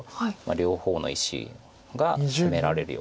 両方の石が攻められるような。